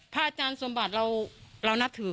อาจารย์สมบัติเรานับถือ